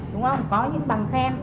đúng không có những bằng khen